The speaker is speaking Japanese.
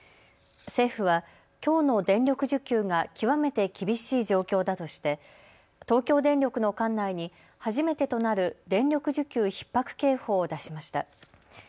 政府はきょうの電力需給が極めて厳しい状況だとして東京電力の管内に初めてとなる電力需給ひっ迫警報を出しました。